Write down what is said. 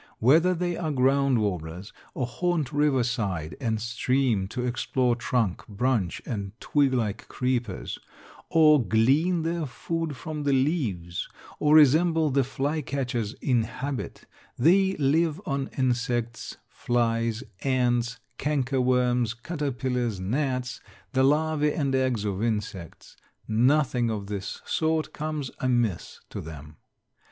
Whether they are ground warblers or haunt river side and stream or explore trunk, branch, and twig like creepers, or glean their food from the leaves, or resemble the flycatchers in habit, they live on insects, flies, ants, canker worms, caterpillars, gnats, the larvæ and eggs of insects; nothing of this sort comes amiss to them.